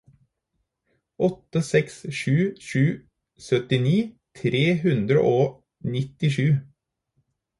åtte seks sju sju syttini tre hundre og nittisju